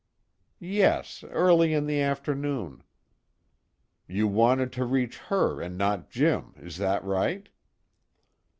"Yes, early in the afternoon." "You wanted to reach her and not Jim, is that right?"